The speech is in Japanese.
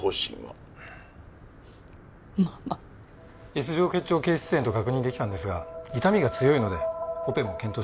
Ｓ状結腸憩室炎と確認出来たんですが痛みが強いのでオペも検討したほうが。